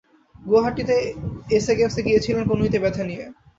গুয়াহাটিতে SA গেমসে গিয়েছিলেন কনুইতে ব্যথা নিয়ে।